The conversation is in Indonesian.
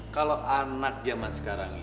kalau anak zaman sekarang